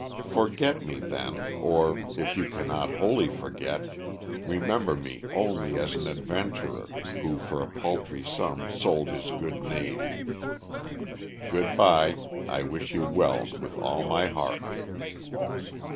Forget me, then, or, if you cannot wholly forget, remember me only as an adventurer, who for a paltry sum sold his good name. "Good by. I wish you well with all my heart."